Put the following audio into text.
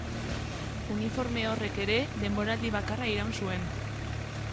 Uniforme horrek ere denboraldi bakarra iraun zuen.